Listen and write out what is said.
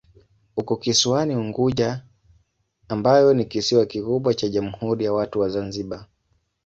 Uko kisiwani Unguja ambayo ni kisiwa kikubwa cha Jamhuri ya Watu wa Zanzibar.